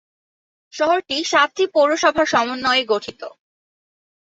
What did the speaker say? শহরটি সাতটি পৌরসভার সমন্বয়ে গঠিত।